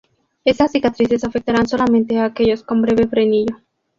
Estas cicatrices afectarán solamente a aquellos con breve frenillo.